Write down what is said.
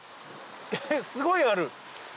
すごいある。